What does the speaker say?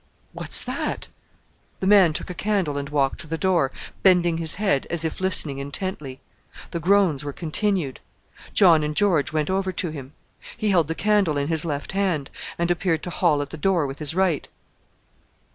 "What's that?" The man took a candle and walked to the door, bending his head, as if listening intently. The groans were continued. John and George went over to him. He held the candle in his left hand, and appeared to haul at the door with his right.